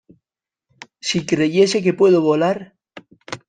Si creyese que puedo volar